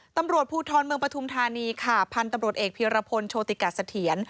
ตำรวจภูทรเมืองปฐุมธานีค่ะพันธุ์ตำรวจเอกเพียรพลโชติกัสเถียร